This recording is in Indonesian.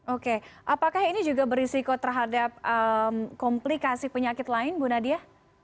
oke apakah ini juga berisiko terhadap komplikasi penyakit lain bu nadia